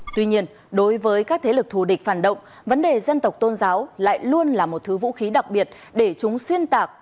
tuy nhiên đối với các thế lực thù địch phản động vấn đề dân tộc tôn giáo lại luôn là một thứ vũ khí đặc biệt để chúng xuyên tạc